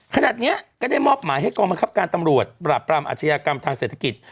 ขณะนี้ก็ได้มอบหมายให้กองบังคับการตำรวจปราบปรามอาชญากรรมทางเศรษฐกิจ